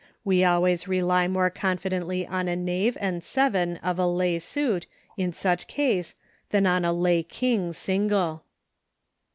We always rely more confidently on a Knave and seven of a lay suit, in such case, than on a lay King single.